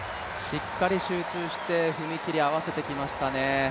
しっかり集中して、踏み切り合わせてきましたね。